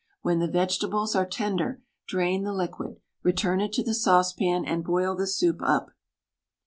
When the vegetables are tender drain the liquid; return it to the saucepan, and boil the soup up.